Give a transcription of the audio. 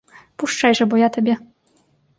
Пушчай жа, бо я табе!